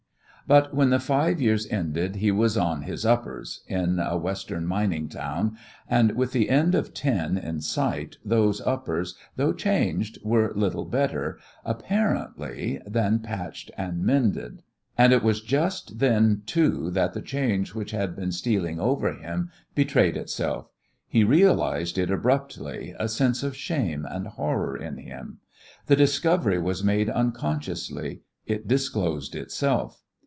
But when the five years ended he was "on his uppers" in a western mining town, and with the end of ten in sight those uppers, though changed, were little better, apparently, than patched and mended. And it was just then, too, that the change which had been stealing over him betrayed itself. He realised it abruptly, a sense of shame and horror in him. The discovery was made unconsciously it disclosed itself.